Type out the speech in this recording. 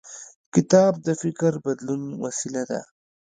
کتاب د فکر بدلون وسیله ده.